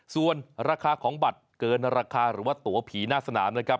ส่วนราคาของบัตรเกินราคาหรือว่าตัวผีหน้าสนามนะครับ